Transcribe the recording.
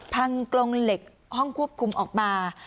กรงเหล็กห้องควบคุมออกมา